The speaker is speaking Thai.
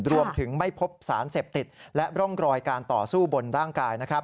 รวมถึงไม่พบสารเสพติดและร่องรอยการต่อสู้บนร่างกาย